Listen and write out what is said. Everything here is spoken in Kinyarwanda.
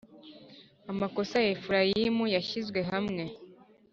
Amakosa ya Efurayimu yashyizwe hamwe,